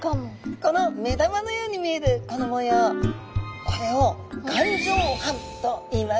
この目玉のように見えるこの模様これを眼状斑といいます。